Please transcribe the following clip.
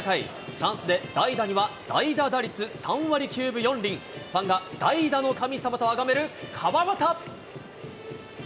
チャンスで代打には、代打打率３割９分４厘、ファンが代打の神様とあがめる川端。